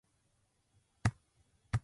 こんにちはーー会いたいです